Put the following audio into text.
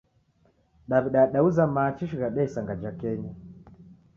Daw'ida yadauza machi shighadi ya isanga ja kenya.